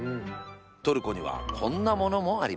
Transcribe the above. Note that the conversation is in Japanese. トルコにはこんなものもあります。